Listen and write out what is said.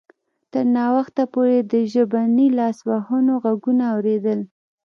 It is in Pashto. تر ناوخته پورې یې د ژبني لاسوهنو غږونه اوریدل